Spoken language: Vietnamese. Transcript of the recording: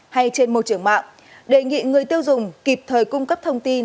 hay trên môi trường mạng đề nghị người tiêu dùng kịp thời cung cấp thông tin